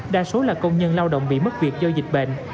đa số là công nhân lao động bị mất việc do dịch bệnh